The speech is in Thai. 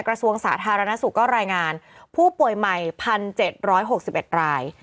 กระทรวงสาธารณสุขก็รายงานผู้ป่วยใหม่๑๗๖๑ราย